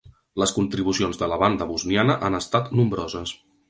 Les contribucions de la banda bosniana han estat nombroses.